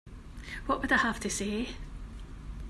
What would I have to say?